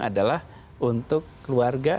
adalah untuk keluarga